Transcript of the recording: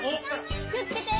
きをつけて！